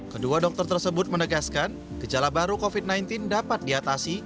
kedua dokter tersebut menegaskan gejala baru covid sembilan belas dapat diatasi